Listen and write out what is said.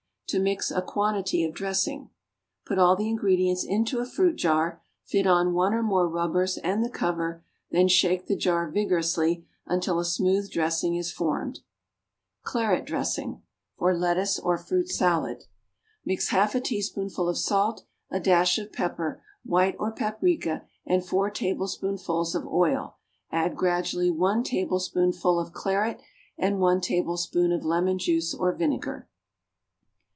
=To Mix a Quantity of Dressing.= Put all the ingredients into a fruit jar, fit on one or more rubbers and the cover; then shake the jar vigorously, until a smooth dressing is formed. =Claret Dressing.= (For lettuce or fruit salad.) Mix half a teaspoonful of salt, a dash of pepper, white or paprica, and four tablespoonfuls of oil; add gradually one tablespoonful of claret and one tablespoonful of lemon juice or vinegar.